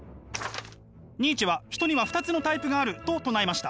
ニーチェは人には２つのタイプがあると唱えました。